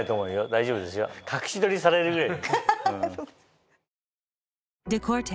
大丈夫ですよ隠し撮りされるぐらい。